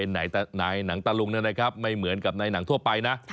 หน่ายหนังตะลุงไม่เหมือนกับหน่ายหนังทั่วไปนะ